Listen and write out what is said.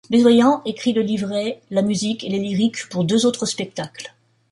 Besoyan écrit le livret, la musique et les lyrics pour deux autres spectacles.